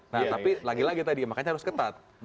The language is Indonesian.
nah tapi lagi lagi makanya tadi memang harus ketat